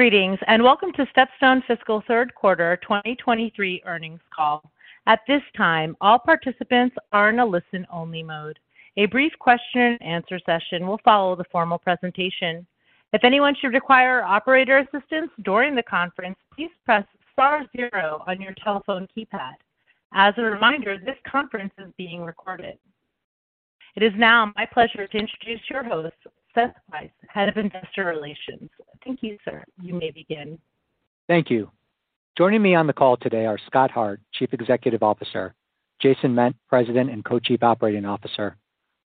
Greetings, welcome to StepStone Fiscal third quarter 2023 earnings call. At this time, all participants are in a listen-only mode. A brief question and answer session will follow the formal presentation. If anyone should require operator assistance during the conference, please press star zero on your telephone keypad. As a reminder, this conference is being recorded. It is now my pleasure to introduce your host, Seth Weiss, Head of Investor Relations. Thank you, sir. You may begin. Thank you. Joining me on the call today are Scott Hart, Chief Executive Officer, Jason Ment, President and Co-Chief Operating Officer,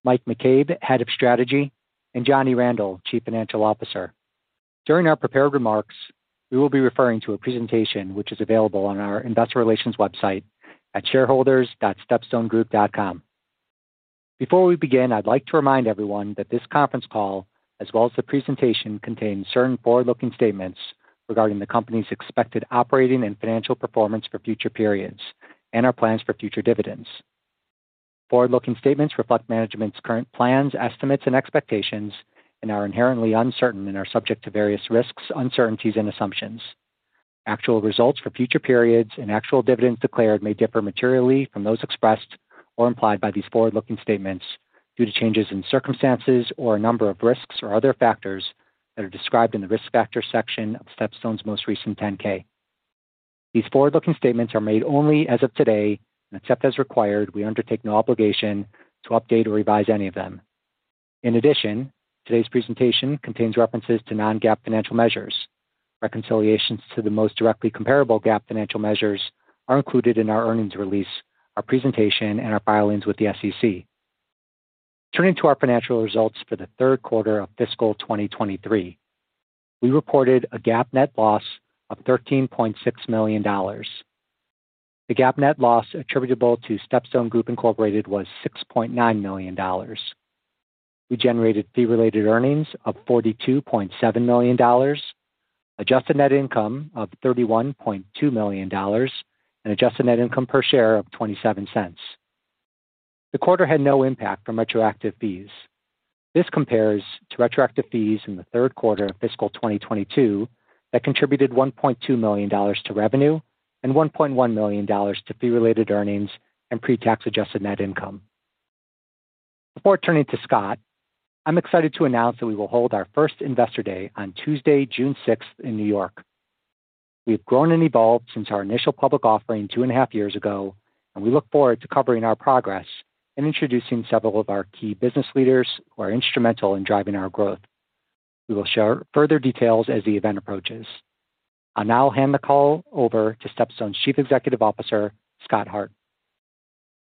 Mike McCabe, Head of Strategy, and Johnny Randel, Chief Financial Officer. During our prepared remarks, we will be referring to a presentation which is available on our investor relations website at shareholders.stepstonegroup.com. Before we begin, I'd like to remind everyone that this conference call, as well as the presentation, contains certain forward-looking statements regarding the company's expected operating and financial performance for future periods and our plans for future dividends. Forward-looking statements reflect management's current plans, estimates, and expectations and are inherently uncertain and are subject to various risks, uncertainties, and assumptions. Actual results for future periods and actual dividends declared may differ materially from those expressed or implied by these forward-looking statements due to changes in circumstances or a number of risks or other factors that are described in the Risk Factors section of StepStone's most recent 10-K. These forward-looking statements are made only as of today, and except as required, we undertake no obligation to update or revise any of them. In addition, today's presentation contains references to non-GAAP financial measures. Reconciliations to the most directly comparable GAAP financial measures are included in our earnings release, our presentation, and our filings with the SEC. Turning to our financial results for the third quarter of fiscal 2023, we reported a GAAP net loss of $13.6 million. The GAAP net loss attributable to StepStone Group Inc was $6.9 million. We generated fee-related earnings of $42.7 million, adjusted net income of $31.2 million, and adjusted net income per share of $0.27. The quarter had no impact from retroactive fees. This compares to retroactive fees in the third quarter of fiscal 2022 that contributed $1.2 million to revenue and $1.1 million to fee-related earnings and pre-tax adjusted net income. Before turning to Scott, I'm excited to announce that we will hold our first Investor Day on Tuesday, June 6 in New York. We've grown and evolved since our initial public offering two and a half years ago, and we look forward to covering our progress and introducing several of our key business leaders who are instrumental in driving our growth. We will share further details as the event approaches. I'll now hand the call over to StepStone's Chief Executive Officer, Scott Hart.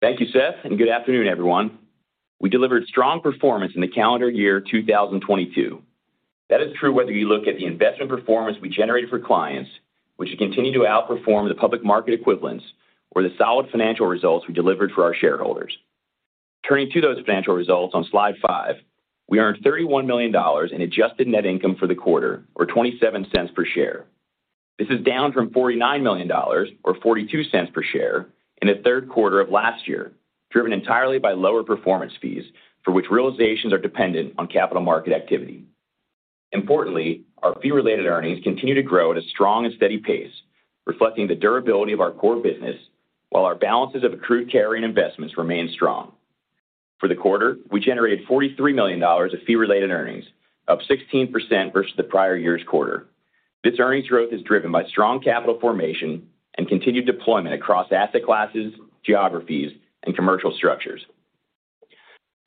Thank you, Seth, good afternoon, everyone. We delivered strong performance in the calendar year 2022. That is true whether you look at the investment performance we generated for clients, which has continued to outperform the public market equivalents or the solid financial results we delivered for our shareholders. Turning to those financial results on slide five, we earned $31 million in adjusted net income for the quarter, or $0.27 per share. This is down from $49 million or $0.42 per share in the third quarter of last year, driven entirely by lower performance fees for which realizations are dependent on capital market activity. Importantly, our fee-related earnings continue to grow at a strong and steady pace, reflecting the durability of our core business, while our balances of accrued carry and investments remain strong. For the quarter, we generated $43 million of fee-related earnings, up 16% versus the prior year's quarter. This earnings growth is driven by strong capital formation and continued deployment across asset classes, geographies, and commercial structures.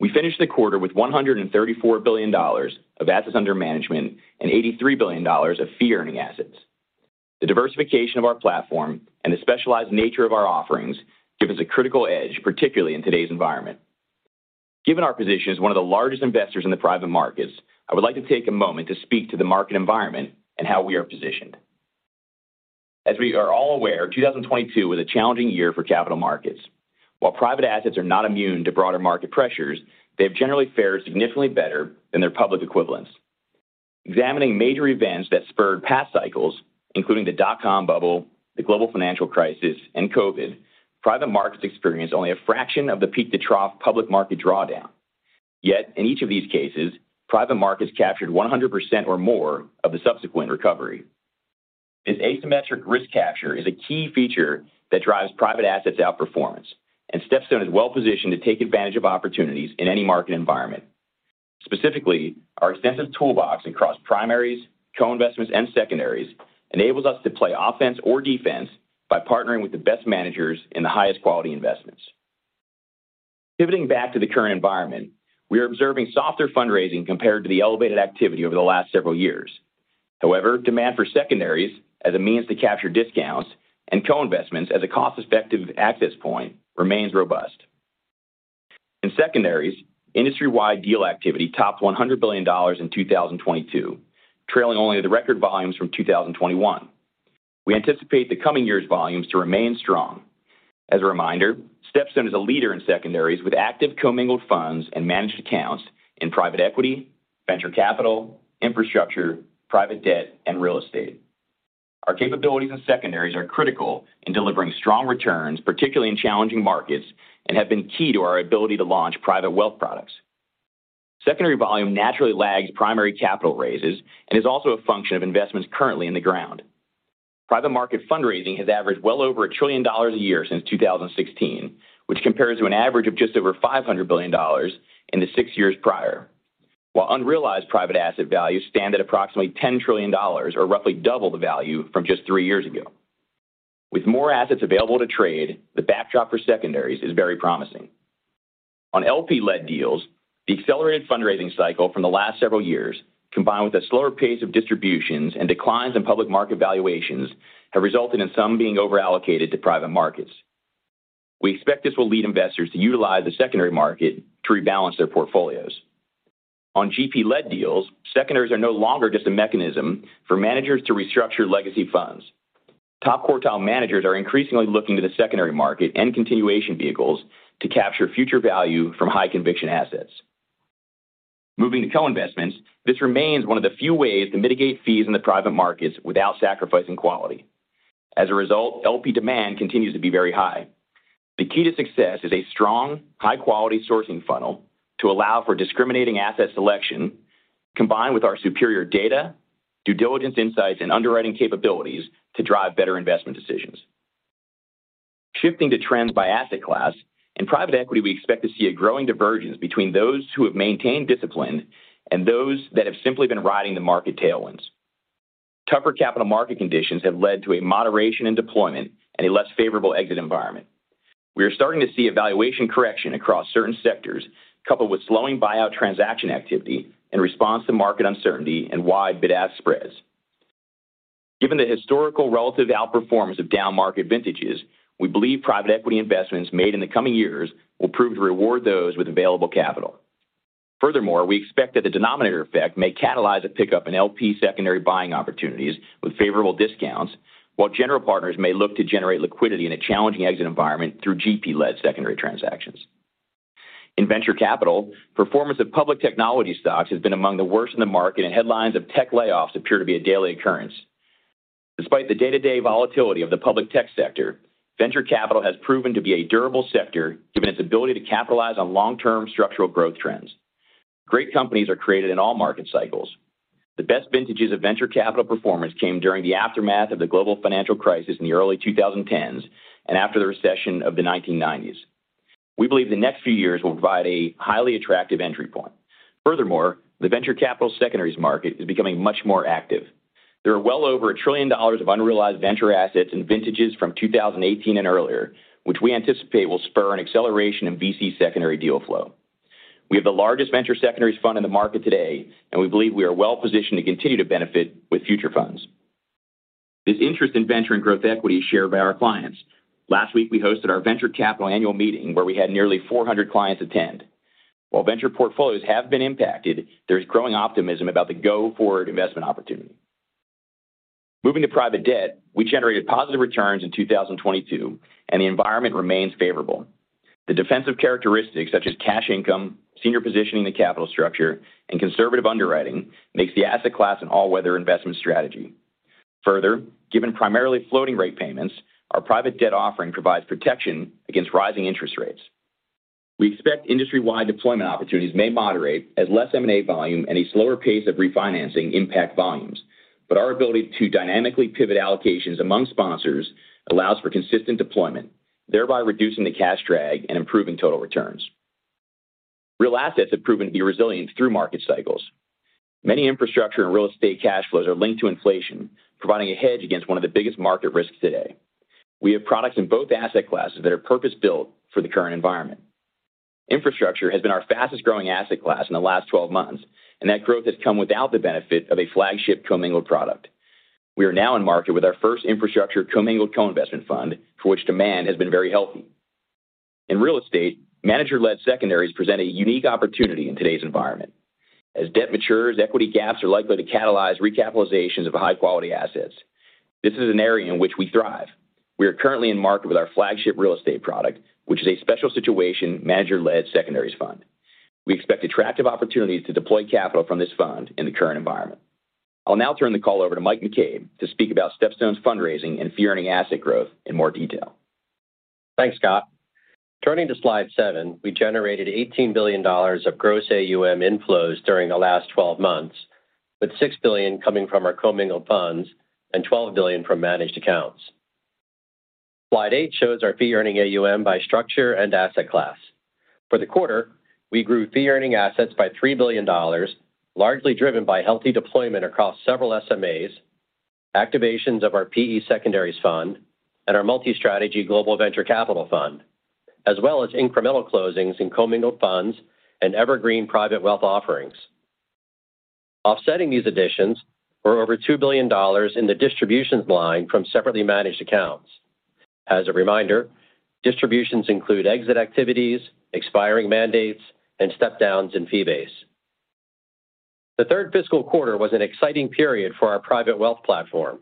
We finished the quarter with $134 billion of assets under management and $83 billion of fee-earning assets. The diversification of our platform and the specialized nature of our offerings give us a critical edge, particularly in today's environment. Given our position as one of the largest investors in the private markets, I would like to take a moment to speak to the market environment and how we are positioned. As we are all aware, 2022 was a challenging year for capital markets. While private assets are not immune to broader market pressures, they have generally fared significantly better than their public equivalents. Examining major events that spurred past cycles, including the dot-com bubble, the Global Financial Crisis, and COVID, private markets experienced only a fraction of the peak-to-trough public market drawdown. Yet in each of these cases, private markets captured 100% or more of the subsequent recovery. This asymmetric risk capture is a key feature that drives private assets outperformance, and StepStone is well-positioned to take advantage of opportunities in any market environment. Specifically, our extensive toolbox across primaries, co-investments, and secondaries enables us to play offense or defense by partnering with the best managers in the highest quality investments. Pivoting back to the current environment, we are observing softer fundraising compared to the elevated activity over the last several years. Demand for secondaries as a means to capture discounts and co-investments as a cost-effective access point remains robust. In secondaries, industry-wide deal activity topped $100 billion in 2022, trailing only the record volumes from 2021. We anticipate the coming year's volumes to remain strong. As a reminder, StepStone is a leader in secondaries with active commingled funds and managed accounts in private equity, venture capital, infrastructure, private debt, and real estate. Our capabilities in secondaries are critical in delivering strong returns, particularly in challenging markets, and have been key to our ability to launch private wealth products. Secondary volume naturally lags primary capital raises and is also a function of investments currently in the ground. Private market fundraising has averaged well over $1 trillion a year since 2016, which compares to an average of just over $500 billion in the six years prior. While unrealized private asset values stand at approximately $10 trillion, or roughly double the value from just three years ago. With more assets available to trade, the backdrop for secondaries is very promising. On LP-led deals, the accelerated fundraising cycle from the last several years, combined with a slower pace of distributions and declines in public market valuations, have resulted in some being over-allocated to private markets. We expect this will lead investors to utilize the secondary market to rebalance their portfolios. On GP-led deals, secondaries are no longer just a mechanism for managers to restructure legacy funds. Top quartile managers are increasingly looking to the secondary market and continuation vehicles to capture future value from high-conviction assets. Moving to co-investments, this remains one of the few ways to mitigate fees in the private markets without sacrificing quality. As a result, LP demand continues to be very high. The key to success is a strong, high-quality sourcing funnel to allow for discriminating asset selection combined with our superior data, due diligence insights, and underwriting capabilities to drive better investment decisions. Shifting to trends by asset class, in private equity, we expect to see a growing divergence between those who have maintained discipline and those that have simply been riding the market tailwinds. Tougher capital market conditions have led to a moderation in deployment and a less favorable exit environment. We are starting to see a valuation correction across certain sectors, coupled with slowing buyout transaction activity in response to market uncertainty and wide bid-ask spreads. Given the historical relative outperformance of down market vintages, we believe private equity investments made in the coming years will prove to reward those with available capital. Furthermore, we expect that the denominator effect may catalyze a pickup in LP secondary buying opportunities with favorable discounts, while general partners may look to generate liquidity in a challenging exit environment through GP-led secondary transactions. In venture capital, performance of public technology stocks has been among the worst in the market, and headlines of tech layoffs appear to be a daily occurrence. Despite the day-to-day volatility of the public tech sector, venture capital has proven to be a durable sector, given its ability to capitalize on long-term structural growth trends. Great companies are created in all market cycles. The best vintages of venture capital performance came during the aftermath of the Global Financial Crisis in the early 2010s and after the recession of the 1990s. We believe the next few years will provide a highly attractive entry point. Furthermore, the venture capital secondaries market is becoming much more active. There are well over $1 trillion of unrealized venture assets in vintages from 2018 and earlier, which we anticipate will spur an acceleration in VC secondary deal flow. We have the largest venture secondaries fund in the market today, and we believe we are well-positioned to continue to benefit with future funds. This interest in venture and growth equity is shared by our clients. Last week, we hosted our venture capital annual meeting where we had nearly 400 clients attend. While venture portfolios have been impacted, there is growing optimism about the go-forward investment opportunity. Moving to private debt, we generated positive returns in 2022, and the environment remains favorable. The defensive characteristics such as cash income, senior positioning in capital structure, and conservative underwriting make the asset class an all-weather investment strategy. Given primarily floating rate payments, our private debt offering provides protection against rising interest rates. We expect industry-wide deployment opportunities may moderate as less M&A volume and a slower pace of refinancing impact volumes. Our ability to dynamically pivot allocations among sponsors allows for consistent deployment, thereby reducing the cash drag and improving total returns. Real assets have proven to be resilient through market cycles. Many infrastructure and real estate cash flows are linked to inflation, providing a hedge against one of the biggest market risks today. We have products in both asset classes that are purpose-built for the current environment. Infrastructure has been our fastest-growing asset class in the last 12 months. That growth has come without the benefit of a flagship commingled product. We are now in market with our first infrastructure commingled co-investment fund, for which demand has been very healthy. In real estate, manager-led secondaries present a unique opportunity in today's environment. As debt matures, equity gaps are likely to catalyze recapitalizations of high-quality assets. This is an area in which we thrive. We are currently in market with our flagship real estate product, which is a special situation manager-led secondaries fund. We expect attractive opportunities to deploy capital from this fund in the current environment. I'll now turn the call over to Mike McCabe to speak about StepStone's fundraising and fee-earning asset growth in more detail. Thanks, Scott. Turning to slide seven, we generated $18 billion of gross AUM inflows during the last 12 months, with $6 billion coming from our commingled funds and $12 billion from managed accounts. Slide eight shows our fee-earning AUM by structure and asset class. For the quarter, we grew fee-earning assets by $3 billion, largely driven by healthy deployment across several SMAs, activations of our PE secondaries fund and our multi-strategy Global Venture Capital Fund, as well as incremental closings in commingled funds and evergreen private wealth offerings. Offsetting these additions were over $2 billion in the distributions line from Separately Managed Accounts. As a reminder, distributions include exit activities, expiring mandates, and step-downs in fee base. The third fiscal quarter was an exciting period for our private wealth platform.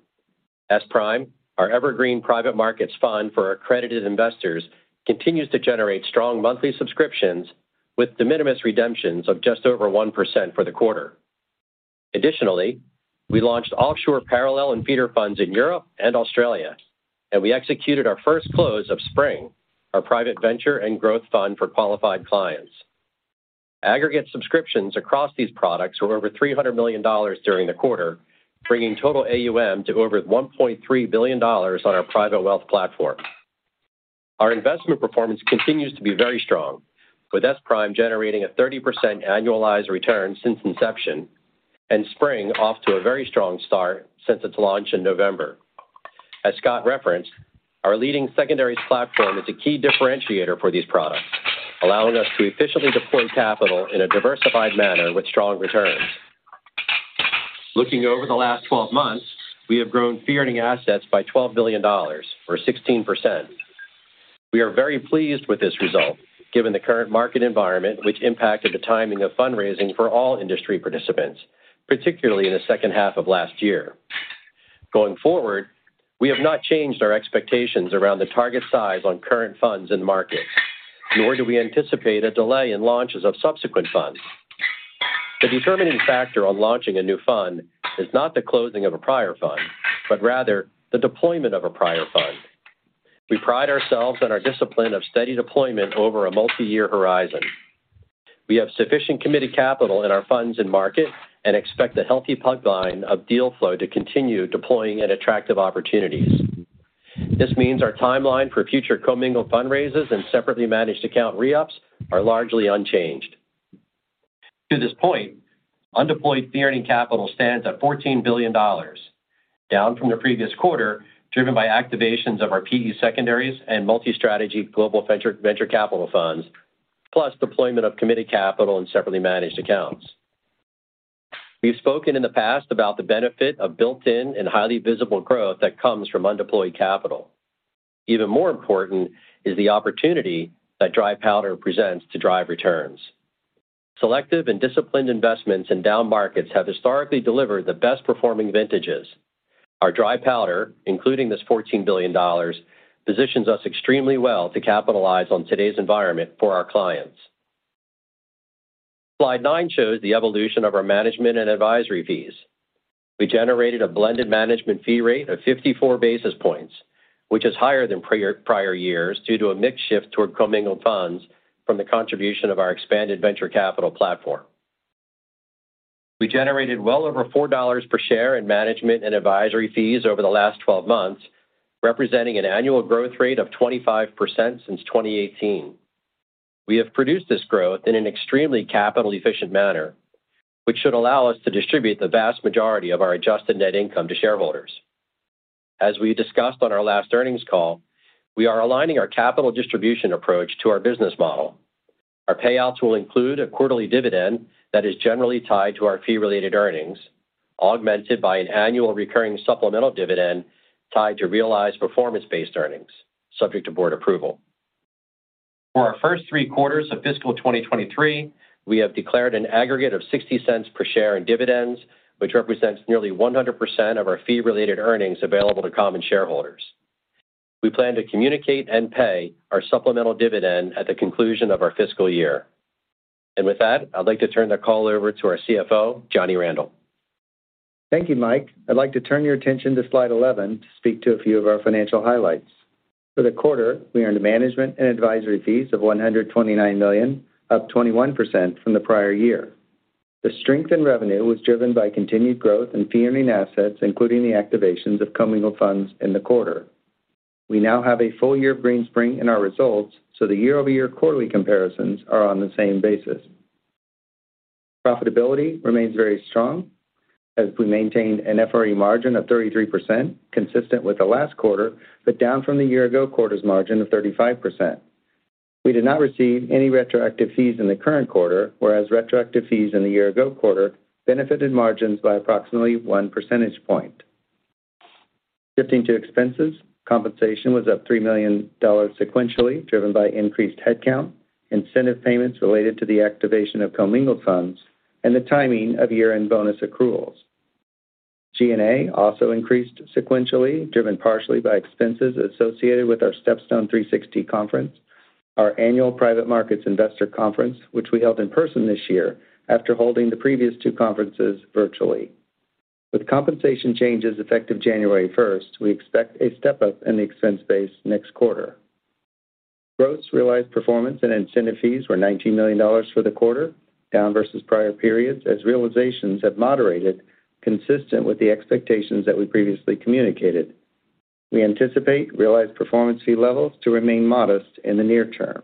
SPRIM, our evergreen private markets fund for accredited investors, continues to generate strong monthly subscriptions with de minimis redemptions of just over 1% for the quarter. We launched offshore parallel and feeder funds in Europe and Australia, and we executed our first close of SPRING, our private venture and growth fund for qualified clients. Aggregate subscriptions across these products were over $300 million during the quarter, bringing total AUM to over $1.3 billion on our private wealth platform. Our investment performance continues to be very strong, with SPRIM generating a 30% annualized return since inception and SPRING off to a very strong start since its launch in November. As Scott referenced, our leading secondary platform is a key differentiator for these products, allowing us to efficiently deploy capital in a diversified manner with strong returns. Looking over the last 12 months, we have grown fee-earning assets by $12 billion or 16%. We are very pleased with this result, given the current market environment, which impacted the timing of fundraising for all industry participants, particularly in the second half of last year. Going forward, we have not changed our expectations around the target size on current funds and markets, nor do we anticipate a delay in launches of subsequent funds. The determining factor on launching a new fund is not the closing of a prior fund, but rather the deployment of a prior fund. We pride ourselves on our discipline of steady deployment over a multi-year horizon. We have sufficient committed capital in our funds and market, and expect the healthy pipeline of deal flow to continue deploying in attractive opportunities. This means our timeline for future commingled fundraisers and Separately Managed Account re-ups are largely unchanged. To this point, undeployed fee earning capital stands at $14 billion, down from the previous quarter, driven by activations of our PE secondaries and multi-strategy Global Venture Capital Funds, plus deployment of committed capital and Separately Managed Accounts. We've spoken in the past about the benefit of built-in and highly visible growth that comes from undeployed capital. Even more important is the opportunity that dry powder presents to drive returns. Selective and disciplined investments in down markets have historically delivered the best-performing vintages. Our dry powder, including this $14 billion, positions us extremely well to capitalize on today's environment for our clients. Slide nine shows the evolution of our management and advisory fees. We generated a blended management fee rate of 54 basis points, which is higher than prior years, due to a mix shift toward commingled funds from the contribution of our expanded venture capital platform. We generated well over $4 per share in management and advisory fees over the last 12 months, representing an annual growth rate of 25% since 2018. We have produced this growth in an extremely capital efficient manner, which should allow us to distribute the vast majority of our adjusted net income to shareholders. As we discussed on our last earnings call, we are aligning our capital distribution approach to our business model. Our payouts will include a quarterly dividend that is generally tied to our fee-related earnings, augmented by an annual recurring supplemental dividend tied to realized performance-based earnings subject to board approval. For our first three quarters of fiscal 2023, we have declared an aggregate of $0.60 per share in dividends, which represents nearly 100% of our fee-related earnings available to common shareholders. We plan to communicate and pay our supplemental dividend at the conclusion of our fiscal year. With that, I'd like to turn the call over to our CFO, Johnny Randel. Thank you, Mike. I'd like to turn your attention to slide 11 to speak to a few of our financial highlights. For the quarter, we earned management and advisory fees of $129 million, up 21% from the prior year. The strength in revenue was driven by continued growth in fee-earning assets, including the activations of commingled funds in the quarter. We now have a full year of Greenspring in our results, so the year-over-year quarterly comparisons are on the same basis. Profitability remains very strong as we maintained an FRE margin of 33%, consistent with the last quarter, but down from the year-ago quarter's margin of 35%. We did not receive any retroactive fees in the current quarter, whereas retroactive fees in the year-ago quarter benefited margins by approximately one percentage point. Shifting to expenses. Compensation was up $3 million sequentially, driven by increased headcount, incentive payments related to the activation of commingled funds, and the timing of year-end bonus accruals. G&A also increased sequentially, driven partially by expenses associated with our StepStone 360 conference, our annual private markets investor conference, which we held in person this year after holding the previous two conferences virtually. With compensation changes effective January first, we expect a step-up in the expense base next quarter. Gross realized performance and incentive fees were $19 million for the quarter, down versus prior periods as realizations have moderated, consistent with the expectations that we previously communicated. We anticipate realized performance fee levels to remain modest in the near term.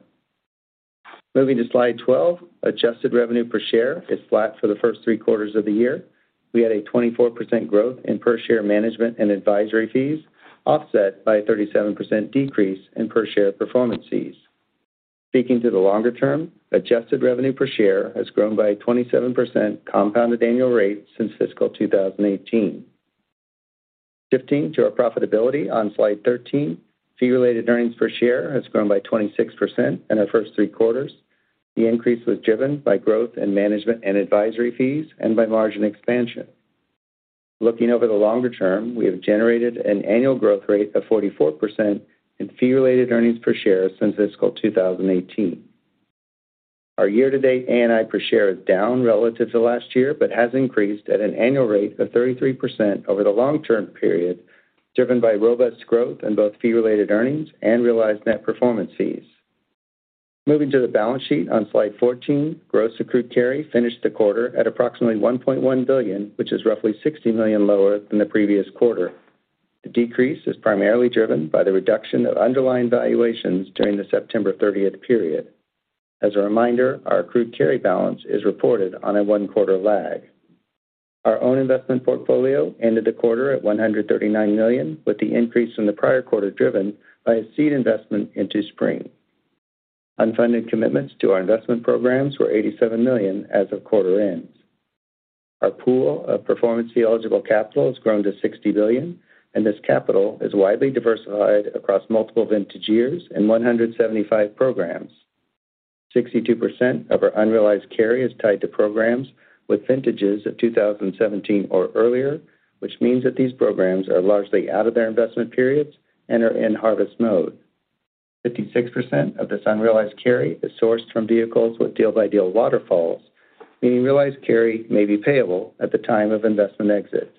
Moving to slide 12. Adjusted revenue per share is flat for the first three quarters of the year. We had a 24% growth in per share management and advisory fees, offset by a 37% decrease in per share performance fees. Speaking to the longer term, adjusted revenue per share has grown by a 27% compounded annual rate since fiscal 2018. Shifting to our profitability on slide 13. Fee-Related Earnings per share has grown by 26% in our first three quarters. The increase was driven by growth in management and advisory fees and by margin expansion. Looking over the longer term, we have generated an annual growth rate of 44% in fee-related earnings per share since fiscal 2018. Our year-to-date ANI per share is down relative to last year, but has increased at an annual rate of 33% over the long-term period, driven by robust growth in both fee-related earnings and realized net performance fees. Moving to the balance sheet on slide 14, gross accrued carry finished the quarter at approximately $1.1 billion, which is roughly $60 million lower than the previous quarter. The decrease is primarily driven by the reduction of underlying valuations during the September 30th period. As a reminder, our accrued carry balance is reported on a one-quarter lag. Our own investment portfolio ended the quarter at $139 million, with the increase from the prior quarter driven by a seed investment into SPRING. Unfunded commitments to our investment programs were $87 million as of quarter end. Our pool of performance fee eligible capital has grown to $60 billion, and this capital is widely diversified across multiple vintage years and 175 programs. 62% of our unrealized carry is tied to programs with vintages of 2017 or earlier, which means that these programs are largely out of their investment periods and are in harvest mode. 56% of this unrealized carry is sourced from vehicles with deal-by-deal waterfalls, meaning realized carry may be payable at the time of investment exit.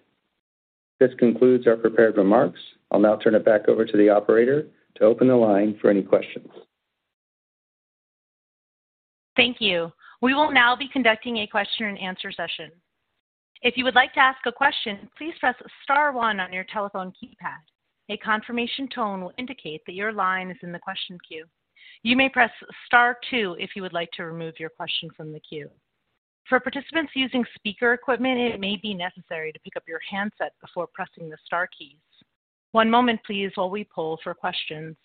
This concludes our prepared remarks. I'll now turn it back over to the operator to open the line for any questions. Thank you. We will now be conducting a question-and-answer session. If you would like to ask a question, please press star one on your telephone keypad. A confirmation tone will indicate that your line is in the question queue. You may press star two if you would like to remove your question from the queue. For participants using speaker equipment, it may be necessary to pick up your handset before pressing the star keys. One moment please while we poll for questions.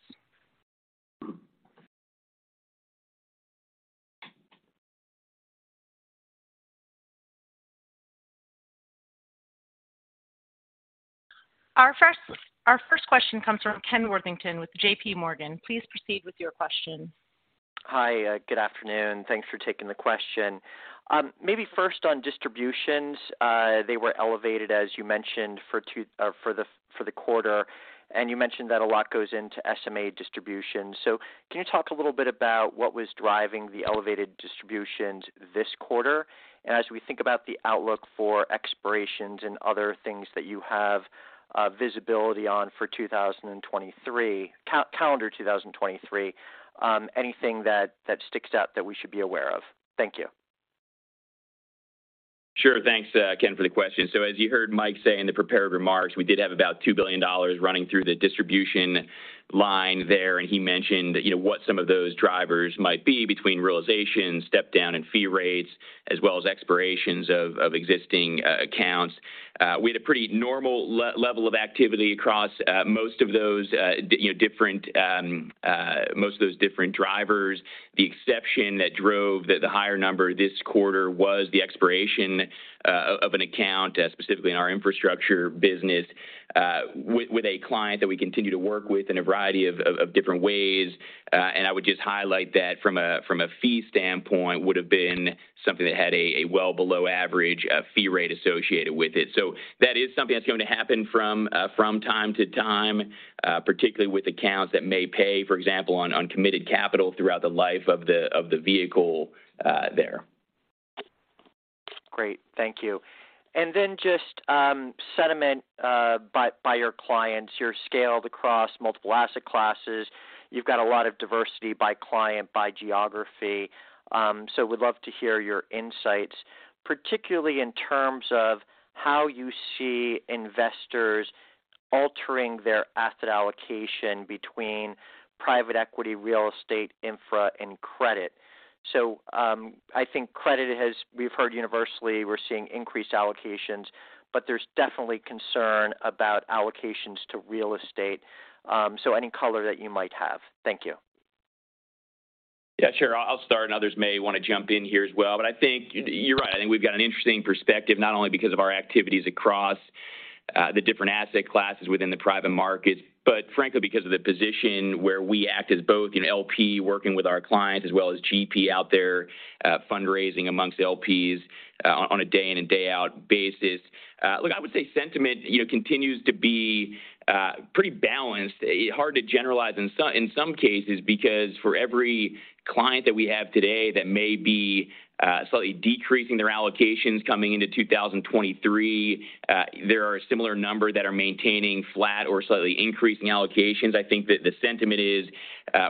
Our first question comes from Ken Worthington with JPMorgan. Please proceed with your question. Hi, good afternoon. Thanks for taking the question. Maybe first on distributions. They were elevated, as you mentioned, for the quarter. You mentioned that a lot goes into SMA distributions. Can you talk a little bit about what was driving the elevated distributions this quarter? As we think about the outlook for expirations and other things that you have, visibility on for 2023, calendar 2023, anything that sticks out that we should be aware of? Thank you. Sure. Thanks, Ken, for the question. As you heard Mike say in the prepared remarks, we did have about $2 billion running through the distribution line there. He mentioned, you know, what some of those drivers might be between realization, step down in fee rates, as well as expirations of existing accounts. We had a pretty normal level of activity across most of those different drivers. The exception that drove the higher number this quarter was the expiration of an account specifically in our infrastructure business with a client that we continue to work with in a variety of different ways. I would just highlight that from a, from a fee standpoint, would have been something that had a well below average fee rate associated with it. That is something that's going to happen from time to time, particularly with accounts that may pay, for example, on committed capital throughout the life of the vehicle there. Great. Thank you. Then just sentiment by your clients. You're scaled across multiple asset classes. You've got a lot of diversity by client, by geography. We'd love to hear your insights, particularly in terms of how you see investors altering their asset allocation between private equity, real estate, infra, and credit. I think we've heard universally we're seeing increased allocations, but there's definitely concern about allocations to real estate. Any color that you might have. Thank you. Yeah, sure. I'll start, and others may want to jump in here as well. I think you're right. I think we've got an interesting perspective, not only because of our activities across the different asset classes within the private markets, but frankly because of the position where we act as both an LP working with our clients, as well as GP out there fundraising amongst LPs on a day in and day out basis. Look, I would say sentiment, you know, continues to be pretty balanced. Hard to generalize in some cases, because for every client that we have today that may be slightly decreasing their allocations coming into 2023, there are a similar number that are maintaining flat or slightly increasing allocations. I think that the sentiment is,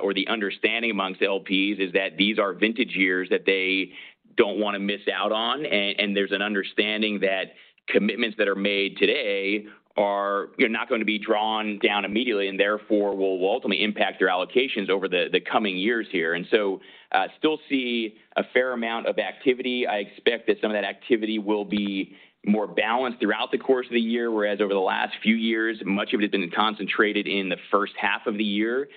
or the understanding amongst LPs is that these are vintage years that they don't wanna miss out on. There's an understanding that commitments that are made today are, you know, not gonna be drawn down immediately, and therefore will ultimately impact their allocations over the coming years here. Still see a fair amount of activity. I expect that some of that activity will be more balanced throughout the course of the year, whereas over the last few years, much of it has been concentrated in the first half of the year.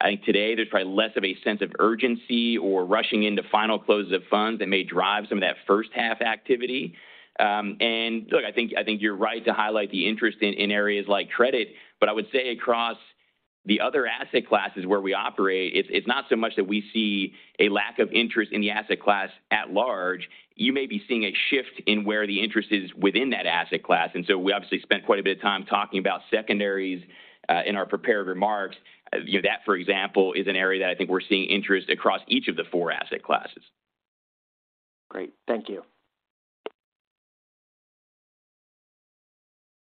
I think today there's probably less of a sense of urgency or rushing into final closes of funds that may drive some of that first half activity. Look, I think you're right to highlight the interest in areas like credit. I would say across the other asset classes where we operate, it's not so much that we see a lack of interest in the asset class at large. You may be seeing a shift in where the interest is within that asset class. We obviously spent quite a bit of time talking about secondaries in our prepared remarks. You know, that, for example, is an area that I think we're seeing interest across each of the four asset classes. Great. Thank you.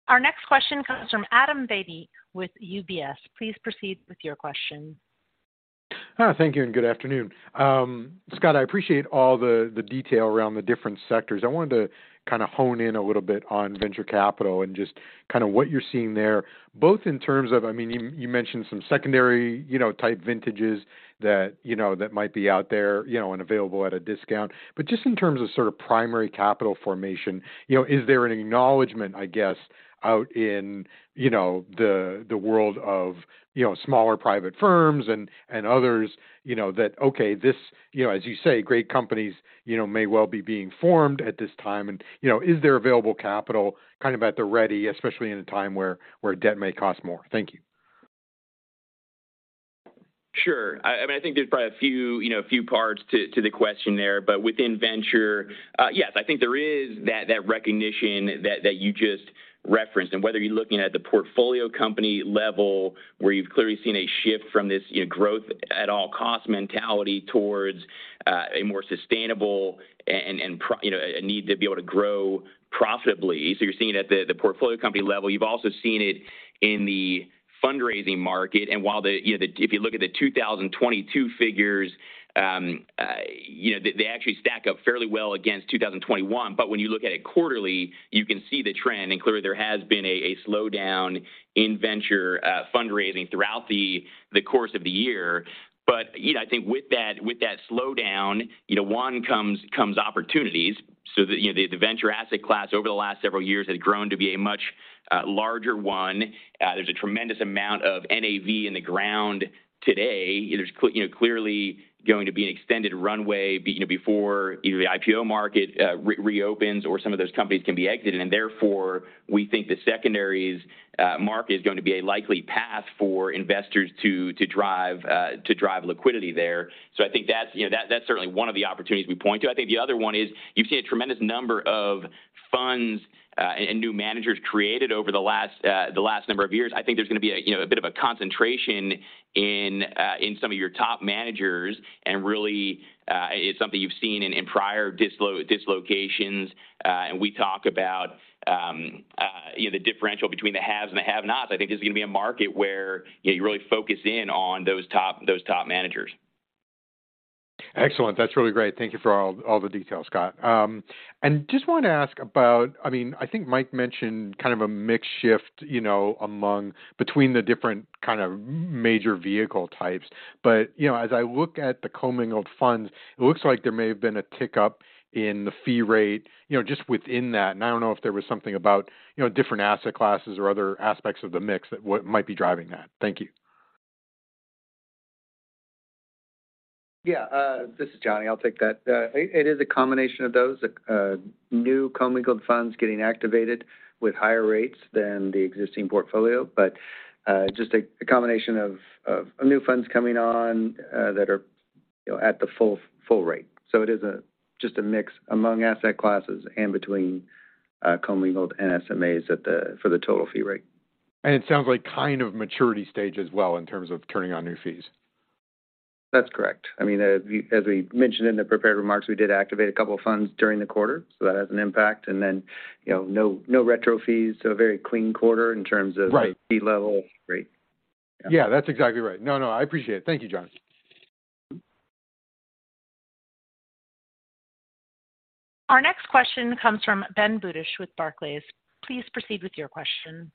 Our next question comes from Adam Beatty with UBS. Please proceed with your question. Thank you, good afternoon. Scott, I appreciate all the detail around the different sectors. I wanted to kind of hone in a little bit on venture capital and just kind of what you're seeing there, both in terms of, I mean, you mentioned some secondary, you know, type vintages that, you know, that might be out there, you know, and available at a discount. Just in terms of sort of primary capital formation, you know, is there an acknowledgment, I guess, out in, you know, the world of, you know, smaller private firms and others, you know, that, okay, You know, as you say, great companies, you know, may well be being formed at this time and, you know, is there available capital kind of at the ready, especially in a time where debt may cost more? Thank you. Sure. I mean, I think there's probably a few, you know, parts to the question there. Within venture, yes, I think there is that recognition that you just referenced, and whether you're looking at the portfolio company level where you've clearly seen a shift from this, you know, growth at all cost mentality towards a more sustainable and, you know, a need to be able to grow profitably. You're seeing it at the portfolio company level. You've also seen it in the fundraising market. While the, you know, If you look at the 2022 figures, you know, they actually stack up fairly well against 2021. When you look at it quarterly, you can see the trend, and clearly there has been a slowdown in venture fundraising throughout the course of the year. You know, I think with that, with that slowdown, you know, one comes opportunities. The, you know, the venture asset class over the last several years has grown to be a much larger one. There's a tremendous amount of NAV in the ground today. There's, you know, clearly going to be an extended runway, you know, before either the IPO market reopens or some of those companies can be exited. Therefore, we think the secondaries market is going to be a likely path for investors to drive liquidity there. I think that's, you know, that's certainly one of the opportunities we point to. I think the other one is you've seen a tremendous number of funds and new managers created over the last number of years. I think there's gonna be a, you know, a bit of a concentration in some of your top managers, and really, it's something you've seen in prior dislocations. We talk about, you know, the differential between the haves and the have-nots. I think there's gonna be a market where, you know, you really focus in on those top managers. Excellent. That's really great. Thank you for all the details, Scott. Just wanna ask about, I mean, I think Mike mentioned kind of a mix shift, you know, between the different kind of major vehicle types. You know, as I look at the commingled funds, it looks like there may have been a tick up in the fee rate, you know, just within that. I don't know if there was something about, you know, different asset classes or other aspects of the mix that might be driving that. Thank you. Yeah. This is Johnny. I'll take that. It is a combination of those, new commingled funds getting activated with higher rates than the existing portfolio. Just a combination of new funds coming on, that are, you know, at the full rate. It is just a mix among asset classes and between commingled and SMAs for the total fee rate. It sounds like kind of maturity stage as well in terms of turning on new fees. That's correct. I mean, as we mentioned in the prepared remarks, we did activate a couple funds during the quarter, so that has an impact. You know, no retro fees, so a very clean quarter in terms of. Right... fee level. Great. That's exactly right. No, no, I appreciate it. Thank you, Johnny. Our next question comes from Ben Budish with Barclays. Please proceed with your question.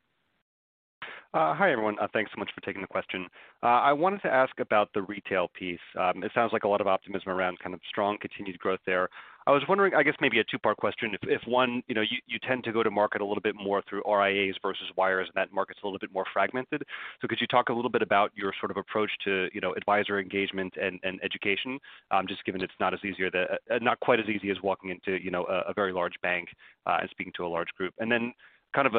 Hi, everyone. Thanks so much for taking the question. I wanted to ask about the retail piece. It sounds like a lot of optimism around kind of strong continued growth there. I was wondering, I guess maybe a two-part question, if, one, you know, you tend to go to market a little bit more through RIAs versus wires, and that market's a little bit more fragmented. Could you talk a little bit about your sort of approach to, you know, advisor engagement and education, just given it's not as easier not quite as easy as walking into, you know, a very large bank, and speaking to a large group. Kind of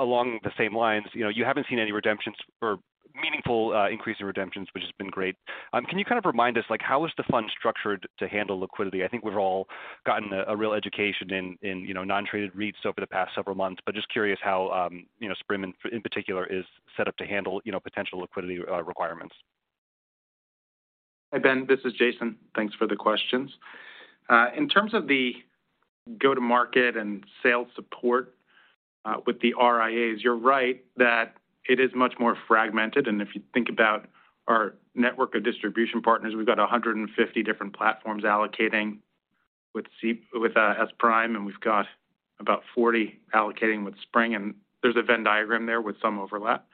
along the same lines, you know, you haven't seen any redemptions or meaningful increase in redemptions, which has been great. Can you kind of remind us, like, how is the fund structured to handle liquidity? I think we've all gotten a real education in, you know, non-traded REITs over the past several months, but just curious how, you know, SPRING in particular is set up to handle, you know, potential liquidity, requirements. Hi, Ben. This is Jason. Thanks for the questions. In terms of the go-to-market and sales support, with the RIAs, you're right that it is much more fragmented. If you think about our network of distribution partners, we've got 150 different platforms allocating with SPRIM, and we've got about 40 allocating with SPRING. There's a Venn diagram there with some overlap.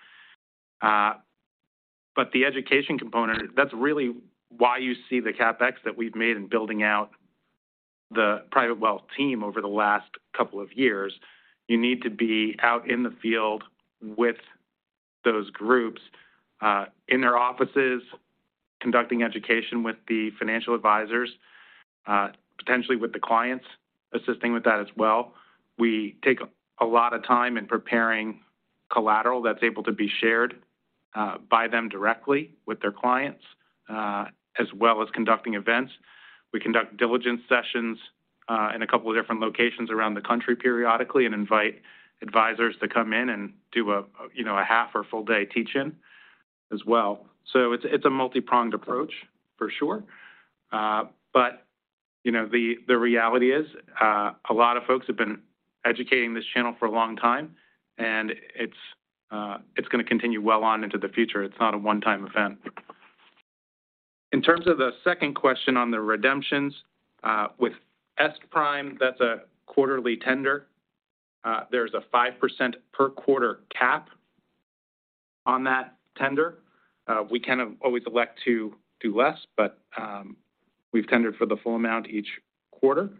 The education component, that's really why you see the CapEx that we've made in building out the private wealth team over the last couple of years. You need to be out in the field with those groups, in their offices. Conducting education with the financial advisors, potentially with the clients assisting with that as well. We take a lot of time in preparing collateral that's able to be shared by them directly with their clients, as well as conducting events. We conduct diligence sessions in a couple of different locations around the country periodically and invite advisors to come in and do a, you know, a half or full day teach-in as well. It's, it's a multipronged approach for sure. You know, the reality is, a lot of folks have been educating this channel for a long time, and it's gonna continue well on into the future. It's not a one-time event. In terms of the second question on the redemptions, with SPRIM, that's a quarterly tender. There's a 5% per quarter cap on that tender. We can always elect to do less, but we've tendered for the full amount each quarter.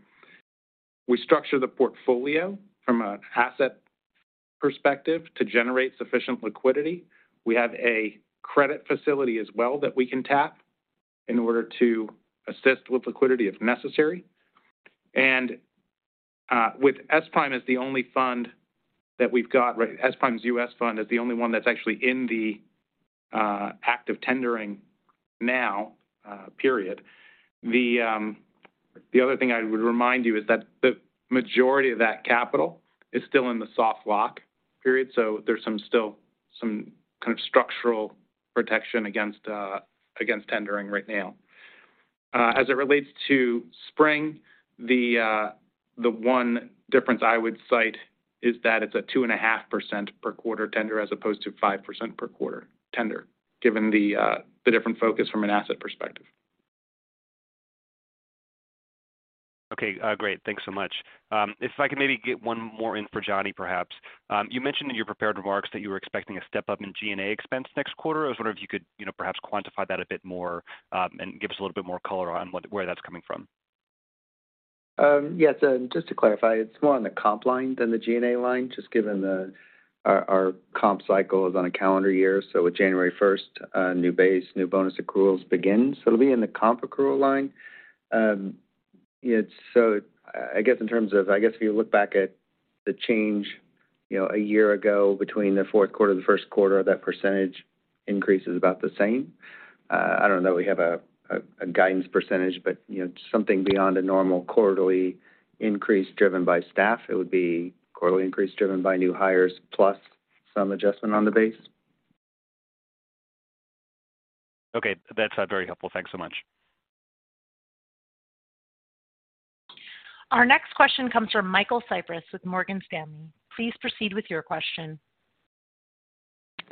We structure the portfolio from an asset perspective to generate sufficient liquidity. We have a credit facility as well that we can tap in order to assist with liquidity if necessary. With SPRIM as the only fund SPRIM's U.S. fund is the only one that's actually in the active tendering now period. The other thing I would remind you is that the majority of that capital is still in the soft lock-up period, so there's some kind of structural protection against tendering right now. As it relates to SPRING, the one difference I would cite is that it's a 2.5% per quarter tender as opposed to 5% per quarter tender, given the different focus from an asset perspective. Okay. Great. Thanks so much. If I could maybe get one more in for Johnny, perhaps. You mentioned in your prepared remarks that you were expecting a step-up in G&A expense next quarter. I was wondering if you could, you know, perhaps quantify that a bit more, and give us a little bit more color on where that's coming from. Yes. Just to clarify, it's more on the comp line than the G&A line, just given our comp cycle is on a calendar year. January 1st, new base, new bonus accruals begin. It'll be in the comp accrual line. I guess in terms of I guess if you look back at the change, you know, a year ago between the fourth quarter, the first quarter, that % increase is about the same. I don't know we have a guidance %, but, you know, something beyond a normal quarterly increase driven by staff, it would be quarterly increase driven by new hires plus some adjustment on the base. Okay. That's, very helpful. Thanks so much. Our next question comes from Michael Cyprys with Morgan Stanley. Please proceed with your question.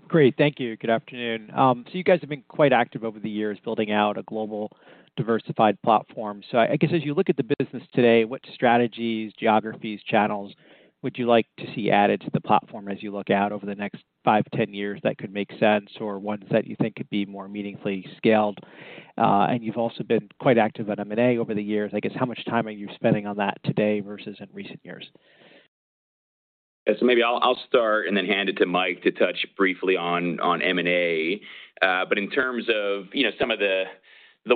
Great. Thank you. Good afternoon. You guys have been quite active over the years building out a global diversified platform. I guess as you look at the business today, what strategies, geographies, channels would you like to see added to the platform as you look out over the next five, 10 years that could make sense or ones that you think could be more meaningfully scaled? You've also been quite active on M&A over the years. I guess how much time are you spending on that today versus in recent years? Maybe I'll start and then hand it to Mike to touch briefly on M&A. In terms of, you know, some of the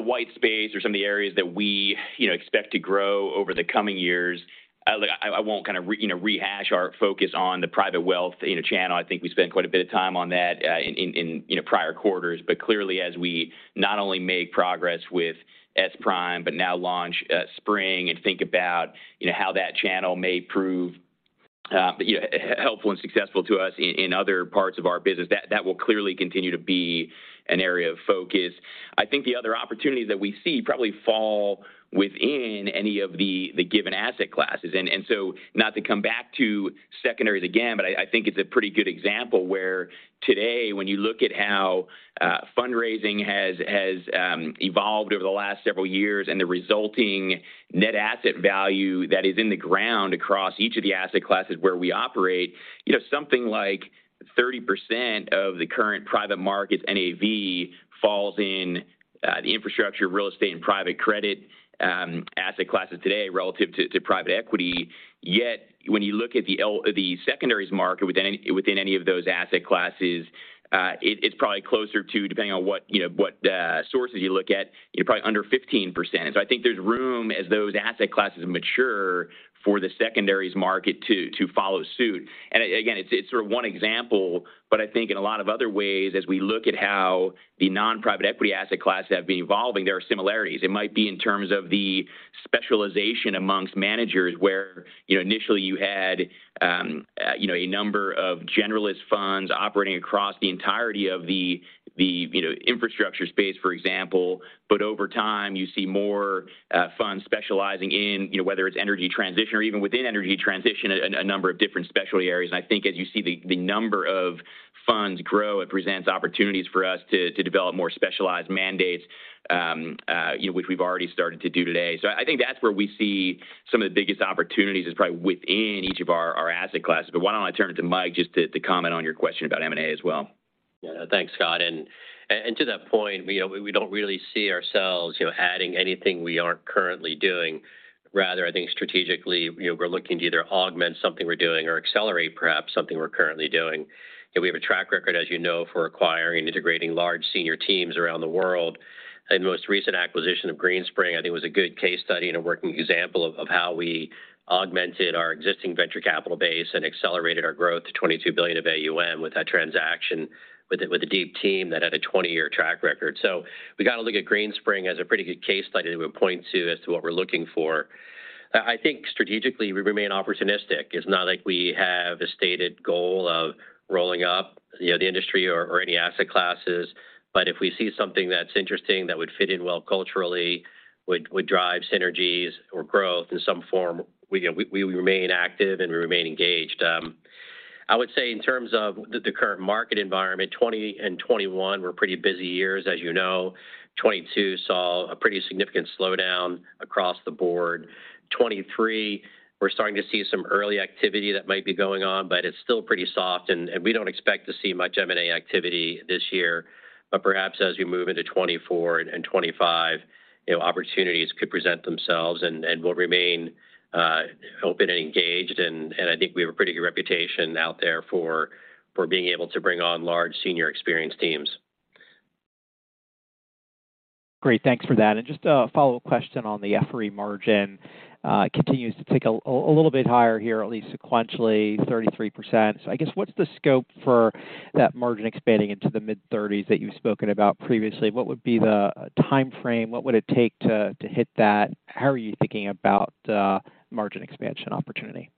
white space or some of the areas that we, you know, expect to grow over the coming years, I won't kind of rehash our focus on the private wealth, you know, channel. I think we spent quite a bit of time on that in, you know, prior quarters. Clearly, as we not only make progress with SPRIM, but now launch SPRING and think about, you know, how that channel may prove, you know, helpful and successful to us in other parts of our business, that will clearly continue to be an area of focus. I think the other opportunities that we see probably fall within any of the given asset classes. Not to come back to secondaries again, but I think it's a pretty good example where today, when you look at how fundraising has evolved over the last several years and the resulting net asset value that is in the ground across each of the asset classes where we operate, you know, something like 30% of the current private markets NAV falls in the infrastructure, real estate, and private credit asset classes today relative to private equity. Yet when you look at the secondaries market within any of those asset classes, it's probably closer to, depending on what, you know, what sources you look at, you know, probably under 15%. I think there's room as those asset classes mature for the secondaries market to follow suit. Again, it's sort of one example, but I think in a lot of other ways, as we look at how the non-private equity asset classes have been evolving, there are similarities. It might be in terms of the specialization amongst managers where, you know, initially you had, you know, a number of generalist funds operating across the entirety of the, you know, infrastructure space, for example. Over time, you see more funds specializing in, you know, whether it's energy transition or even within energy transition, a number of different specialty areas. I think as you see the number of funds grow, it presents opportunities for us to develop more specialized mandates, you know, which we've already started to do today. I think that's where we see some of the biggest opportunities is probably within each of our asset classes. Why don't I turn it to Mike just to comment on your question about M&A as well. Yeah. Thanks, Scott. To that point, you know, we don't really see ourselves, you know, adding anything we aren't currently doing. Rather, I think strategically, you know, we're looking to either augment something we're doing or accelerate perhaps something we're currently doing. You know, we have a track record, as you know, for acquiring and integrating large senior teams around the world. Most recent acquisition of Greenspring, I think, was a good case study and a working example of how we augmented our existing venture capital base and accelerated our growth to $22 billion of AUM with that transaction with a deep team that had a 20-year track record. We got to look at Greenspring as a pretty good case study that we would point to as to what we're looking for. I think strategically we remain opportunistic. It's not like we have a stated goal of rolling up, you know, the industry or any asset classes. If we see something that's interesting that would fit in well culturally, would drive synergies or growth in some form, we remain active, and we remain engaged. I would say in terms of the current market environment, 2020 and 2021 were pretty busy years. As you know, 2022 saw a pretty significant slowdown across the board. 2023, we're starting to see some early activity that might be going on, but it's still pretty soft, and we don't expect to see much M&A activity this year. Perhaps as we move into 2024 and 2025, you know, opportunities could present themselves, and we'll remain open and engaged. I think we have a pretty good reputation out there for being able to bring on large senior experienced teams. Great. Thanks for that. Just a follow-up question on the FRE margin. It continues to tick a little bit higher here, at least sequentially 33%. I guess what's the scope for that margin expanding into the mid-thirties that you've spoken about previously? What would be the timeframe? What would it take to hit that? How are you thinking about margin expansion opportunity?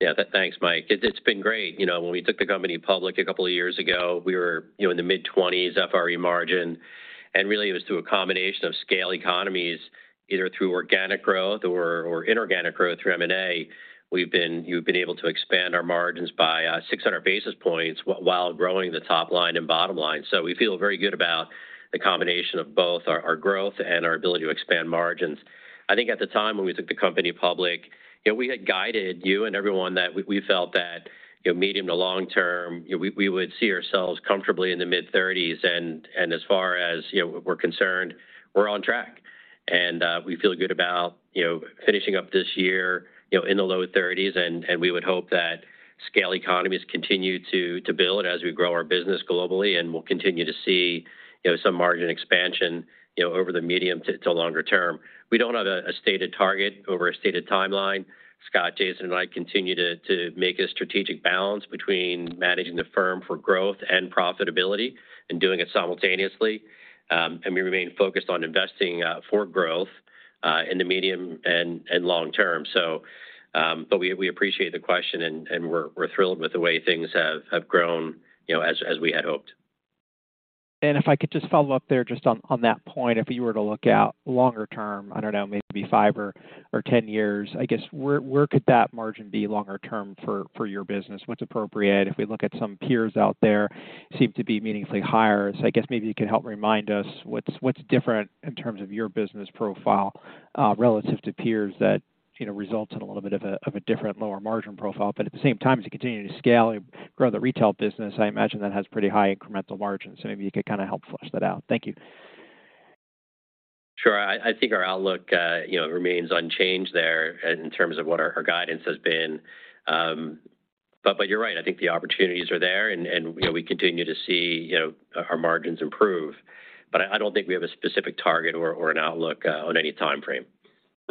Yeah. Thanks, Mike. It's, it's been great. You know, when we took the company public a couple of years ago, we were, you know, in the mid-twenties FRE margin. Really it was through a combination of scale economies, either through organic growth or inorganic growth through M&A. We've been able to expand our margins by 600 basis points while growing the top line and bottom line. We feel very good about the combination of both our growth and our ability to expand margins. I think at the time when we took the company public, you know, we had guided you and everyone that we felt that, you know, medium to long term, you know, we would see ourselves comfortably in the mid-thirties. As far as, you know, we're concerned, we're on track. We feel good about, you know, finishing up this year, you know, in the low 30s%. We would hope that scale economies continue to build as we grow our business globally, and we'll continue to see, you know, some margin expansion, you know, over the medium to longer term. We don't have a stated target over a stated timeline. Scott, Jason, and I continue to make a strategic balance between managing the firm for growth and profitability and doing it simultaneously. We remain focused on investing for growth in the medium and long term. We appreciate the question, and we're thrilled with the way things have grown, you know, as we had hoped. If I could just follow up there just on that point. If you were to look out longer term, I don't know, maybe five or 10 years. I guess where could that margin be longer term for your business? What's appropriate? If we look at some peers out there seem to be meaningfully higher. I guess maybe you could help remind us what's different in terms of your business profile relative to peers that, you know, results in a little bit of a different lower margin profile. At the same time, as you continue to scale and grow the retail business, I imagine that has pretty high incremental margins. Maybe you could kind of help flush that out. Thank you. Sure. I think our outlook, you know, remains unchanged there in terms of what our guidance has been. You're right. I think the opportunities are there, and we continue to see, you know, our margins improve. I don't think we have a specific target or an outlook on any timeframe.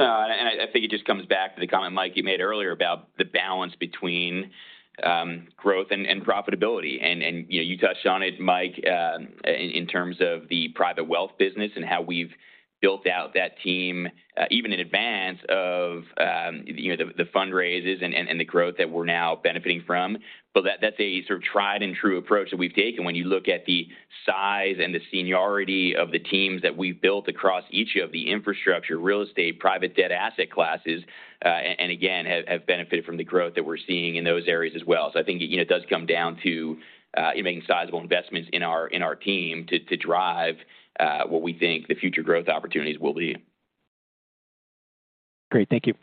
No. I think it just comes back to the comment, Mike, you made earlier about the balance between growth and profitability. You touched on it, Mike, in terms of the private wealth business and how we've built out that team, even in advance of, you know, the fundraises and the growth that we're now benefiting from. That's a sort of tried and true approach that we've taken when you look at the size and the seniority of the teams that we've built across each of the infrastructure, real estate, private debt asset classes, and again, have benefited from the growth that we're seeing in those areas as well. I think it does come down to making sizable investments in our team to drive what we think the future growth opportunities will be. Great. Thank you.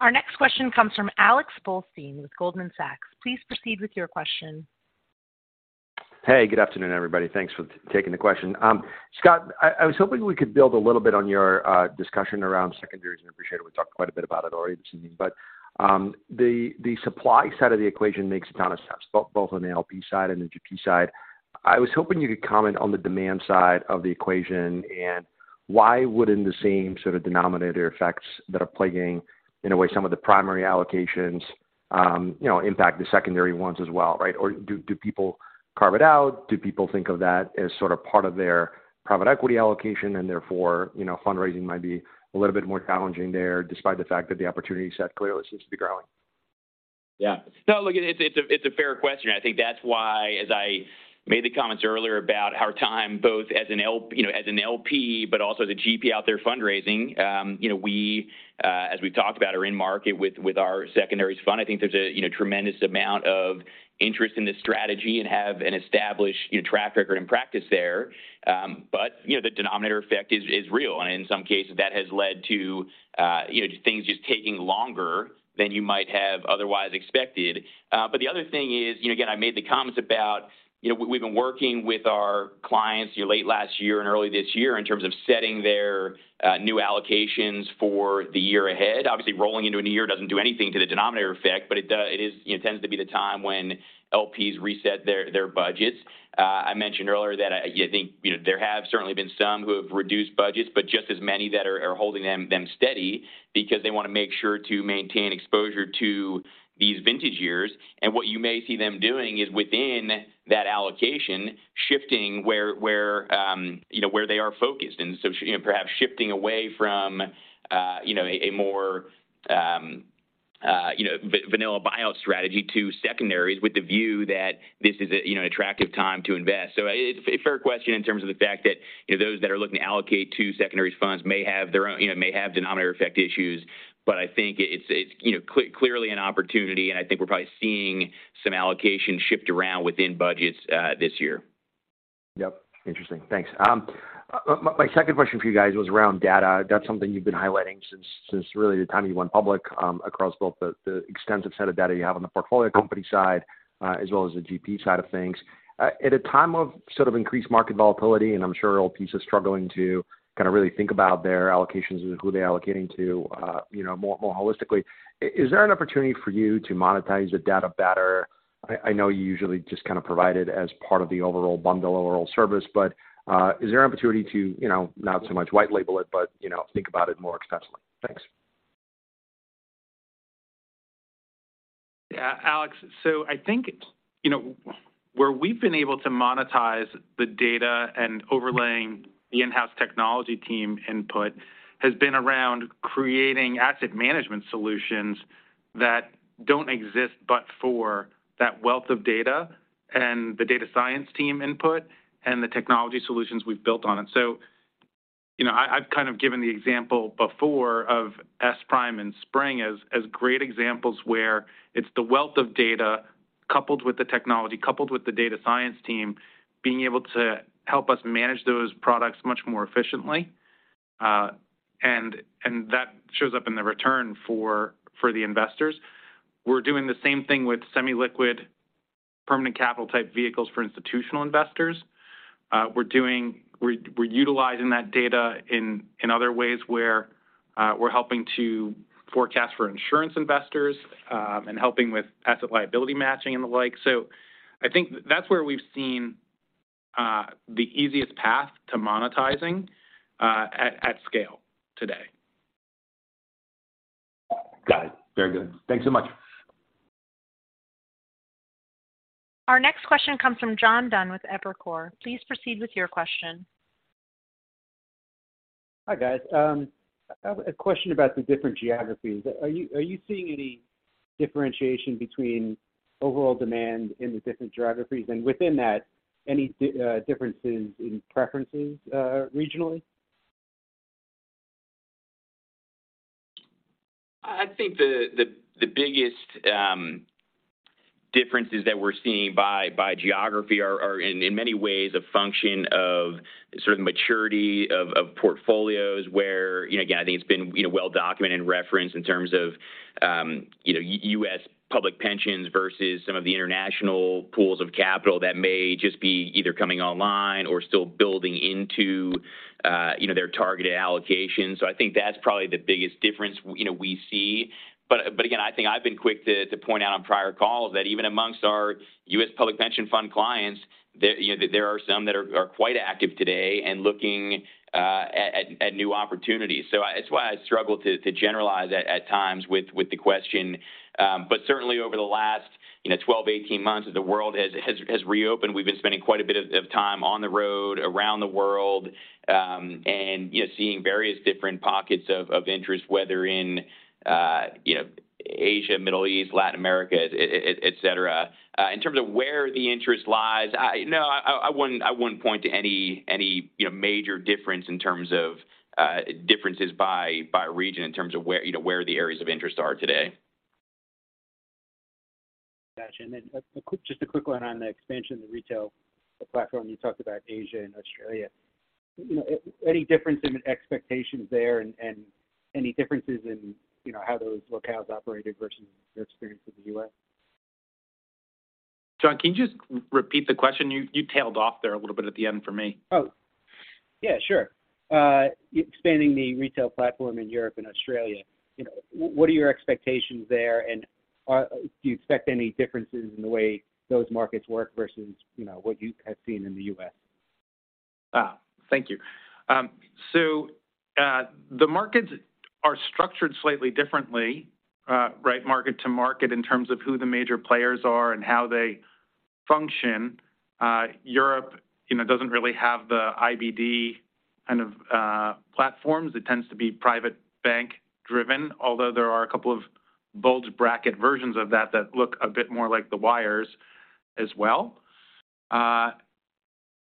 Our next question comes from Alex Blostein with Goldman Sachs. Please proceed with your question. Hey, good afternoon, everybody. Thanks for taking the question. Scott, I was hoping we could build a little bit on your discussion around secondaries, and I appreciate we talked quite a bit about it already this evening, but the supply side of the equation makes a ton of sense, both on the LP side and the GP side. I was hoping you could comment on the demand side of the equation, and why wouldn't the same sort of denominator effects that are plaguing, in a way, some of the primary allocations, you know, impact the secondary ones as well, right? Do people carve it out? Do people think of that as sort of part of their private equity allocation and therefore, you know, fundraising might be a little bit more challenging there, despite the fact that the opportunity set clearly seems to be growing? Yeah. No, look, it's a fair question. I think that's why, as I made the comments earlier about our time, both as an LP, but also the GP out there fundraising. You know, we, as we've talked about, are in market with our secondaries fund. I think there's a, you know, tremendous amount of interest in this strategy and have an established, you know, track record and practice there. You know, the denominator effect is real, and in some cases that has led to, you know, things just taking longer than you might have otherwise expected. The other thing is, you know, again, I made the comments about, you know, we've been working with our clients late last year and early this year in terms of setting their new allocations for the year ahead. Obviously, rolling into a new year doesn't do anything to the denominator effect, but it is, you know, tends to be the time when LPs reset their budgets. I mentioned earlier that I think, you know, there have certainly been some who have reduced budgets, but just as many that are holding them steady because they wanna make sure to maintain exposure to these vintage years. What you may see them doing is within that allocation shifting where, you know, where they are focused and so, you know, perhaps shifting away from, you know, a more, you know, vanilla buyout strategy to secondaries with the view that this is a, you know, attractive time to invest. It's a fair question in terms of the fact that, you know, those that are looking to allocate to secondaries funds may have their own, you know, may have denominator effect issues. I think it's, you know, clearly an opportunity, and I think we're probably seeing some allocation shift around within budgets this year. Yep. Interesting. Thanks. My second question for you guys was around data. That's something you've been highlighting since really the time you went public, across both the extensive set of data you have on the portfolio company side, as well as the GP side of things. At a time of sort of increased market volatility, I'm sure LPs are struggling to kinda really think about their allocations and who they're allocating to, you know, more holistically, is there an opportunity for you to monetize the data better? I know you usually just kinda provide it as part of the overall bundle, overall service, is there an opportunity to, you know, not so much white label it, but, you know, think about it more extensively? Thanks. Yeah, Alex, I think, you know, where we've been able to monetize the data and overlaying the in-house technology team input has been around creating asset management solutions that don't exist but for that wealth of data and the data science team input and the technology solutions we've built on it. You know, I've kind of given the example before of SPRIM and SPRING as great examples where it's the wealth of data coupled with the technology, coupled with the data science team, being able to help us manage those products much more efficiently. And that shows up in the return for the investors. We're doing the same thing with semi-liquid permanent capital type vehicles for institutional investors. We're utilizing that data in other ways where we're helping to forecast for insurance investors and helping with asset liability matching and the like. I think that's where we've seen the easiest path to monetizing at scale today. Got it. Very good. Thanks so much. Our next question comes from John Dunn with Evercore. Please proceed with your question. Hi, guys. I have a question about the different geographies. Are you seeing any differentiation between overall demand in the different geographies and within that, any differences in preferences, regionally? I think the biggest differences that we're seeing by geography are in many ways a function of sort of maturity of portfolios where, again, I think it's been well-documented and referenced in terms of U.S. public pensions versus some of the international pools of capital that may just be either coming online or still building into their targeted allocations. I think that's probably the biggest difference we see. Again, I think I've been quick to point out on prior calls that even amongst our U.S. public pension fund clients, there are some that are quite active today and looking at new opportunities. It's why I struggle to generalize at times with the question. Certainly over the last, you know, 12-18 months, the world has reopened. We've been spending quite a bit of time on the road around the world, you know, seeing various different pockets of interest, whether in, you know, Asia, Middle East, Latin America, et cetera. In terms of where the interest lies, no, I wouldn't point to any major difference in terms of differences by region in terms of where the areas of interest are today. Gotcha. Just a quick one on the expansion of the retail platform. You talked about Asia and Australia. You know, any difference in expectations there and any differences in, you know, how those locales operated versus your experience in the U.S.? John, can you just repeat the question? You tailed off there a little bit at the end for me. Oh, yeah, sure. Expanding the retail platform in Europe and Australia, you know, what are your expectations there and, do you expect any differences in the way those markets work versus, you know, what you have seen in the US? Thank you. The markets are structured slightly differently, right, market to market in terms of who the major players are and how they function. Europe, you know, doesn't really have the IBD kind of platforms. It tends to be private bank driven, although there are a couple of bulge bracket versions of that that look a bit more like the wires as well.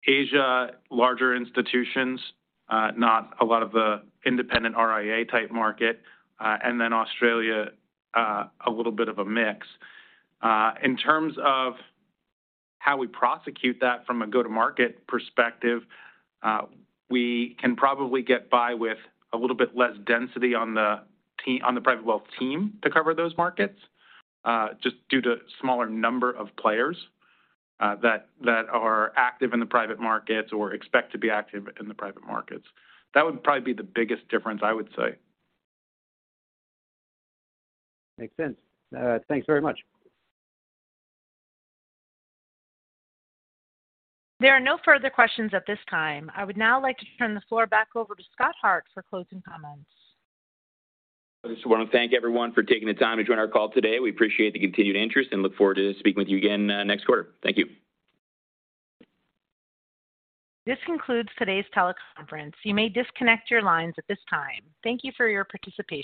Asia, larger institutions, not a lot of the independent RIA type market, and then Australia, a little bit of a mix. In terms of how we prosecute that from a go-to-market perspective, we can probably get by with a little bit less density on the private wealth team to cover those markets, just due to smaller number of players that are active in the private markets or expect to be active in the private markets. That would probably be the biggest difference, I would say. Makes sense. Thanks very much. There are no further questions at this time. I would now like to turn the floor back over to Scott Hart for closing comments. I just wanna thank everyone for taking the time to join our call today. We appreciate the continued interest and look forward to speaking with you again, next quarter. Thank you. This concludes today's teleconference. You may disconnect your lines at this time. Thank you for your participation.